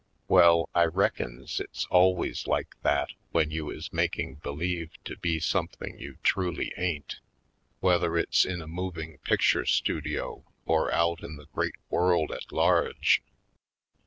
Well, I reckons it's al ways like that when you is making believe to be something you truly ain't, whether it's in a moving picture studio or out in the great world at large.